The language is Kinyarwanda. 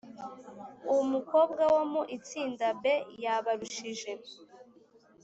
Umukobwa wo mu itsinda B yabarushije